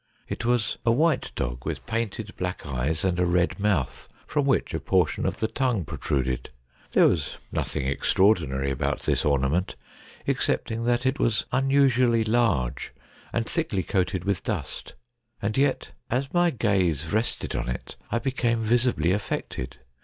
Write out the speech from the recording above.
It was a white dog, with painted black eyes and a red mouth, from which a portion of the tongue protruded. There was nothing extra ordinary about this ornament, excepting that it was unusually large, and thickly coated with dust. And yet, as my gaze rested on it, I became visibly affected.